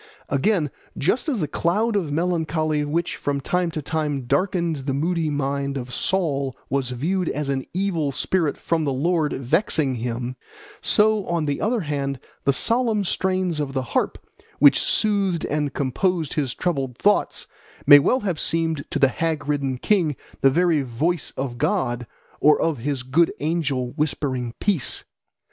Again, just as the cloud of melancholy which from time to time darkened the moody mind of Saul was viewed as an evil spirit from the Lord vexing him, so on the other hand the solemn strains of the harp, which soothed and composed his troubled thoughts, may well have seemed to the hag ridden king the very voice of God or of his good angel whispering peace.